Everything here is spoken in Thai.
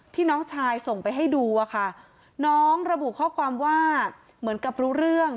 น้องชายส่งไปให้ดูอะค่ะน้องระบุข้อความว่าเหมือนกับรู้เรื่อง